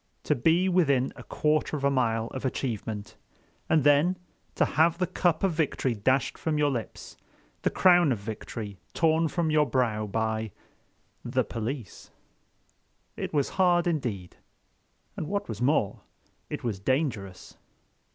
To be within a quarter of a mile of achievement, and then to have the cup of victory dashed from your lips, the crown of victory torn from your brow by—the police! It was indeed hard. And what was more, it was dangerous.